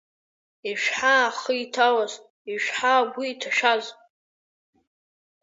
Ишәҳәа ахы иҭалаз, ишәҳәа агәы иҭашәаз?!